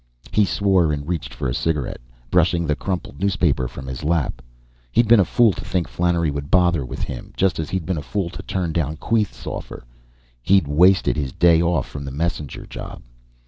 He swore and reached for a cigarette, brushing the crumpled newspaper from his lap. He'd been a fool to think Flannery would bother with him, just as he'd been a fool to turn down Queeth's offer. He'd wasted his day off from the messenger job.